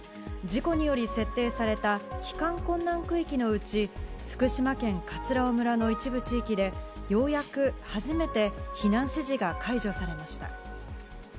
事故により設定された帰還困難区域のうち福島県葛尾村の一部地域で、ようやく初めて避難指示が解除されました。